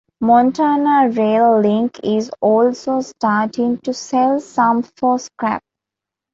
Montana Rail Link is also starting to sell some for scrap.